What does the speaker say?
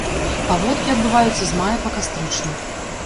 Паводкі адбываюцца з мая па кастрычнік.